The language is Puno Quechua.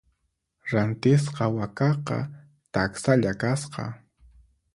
Rantisqa wakaqa taksalla kasqa.